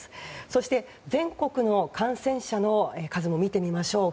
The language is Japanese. そして、全国の感染者の数も見てみましょう。